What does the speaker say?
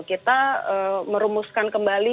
kita merumuskan kembali